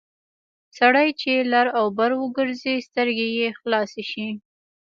سړی چې لر او بر وګرځي سترګې یې خلاصې شي...